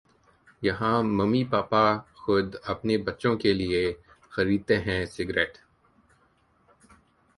यहां मम्मी-पापा खुद अपने बच्चों के लिए खरीदते हैं सिगरेट